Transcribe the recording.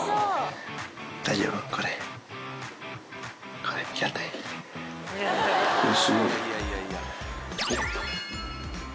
大丈夫、これ。